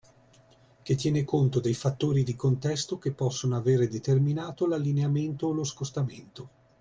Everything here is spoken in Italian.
Che tiene conto dei fattori di contesto che possono avere determinato l'allineamento o lo scostamento